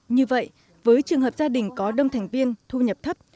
như vậy với trường hợp gia đình có đông thành viên thu nhập thấp